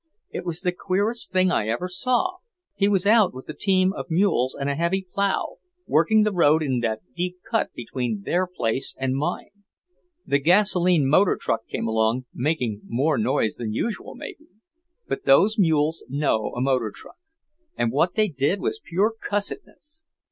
It was the queerest thing I ever saw. He was out with the team of mules and a heavy plough, working the road in that deep cut between their place and mine. The gasoline motor truck came along, making more noise than usual, maybe. But those mules know a motor truck, and what they did was pure cussedness.